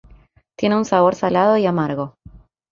Tiene un sabor salado y amargo.